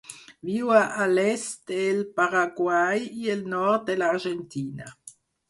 Viu a l'est del Paraguai i el nord de l'Argentina.